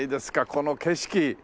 この景色！